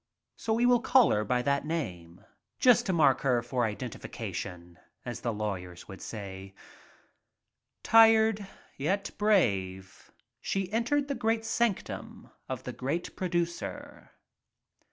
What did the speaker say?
So we will call her by that name just to mark her for identi fication, as the lawyers would say* Tired, yet brave, she entered the great sanctum of the great producer.